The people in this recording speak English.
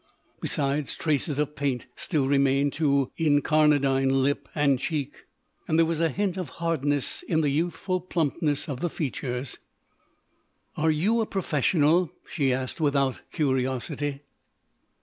Besides, traces of paint still remained to incarnadine lip and cheek and there was a hint of hardness in the youthful plumpness of the features. "Are you a professional?" she asked without curiosity.